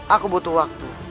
aku butuh waktu